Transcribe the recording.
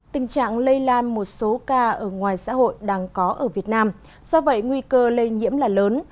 tình trạng lây lan một số ca ở ngoài xã hội đang có ở việt nam do vậy nguy cơ lây nhiễm là lớn